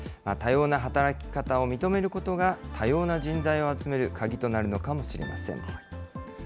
多様な働き方を認めることが、多様な人材を集める鍵となるのかもしれません。